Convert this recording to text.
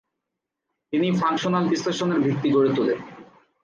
তিনি ফাংশনাল বিশ্লেষণের ভিত্তি গড়ে তুলেন।